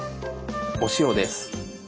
お塩です。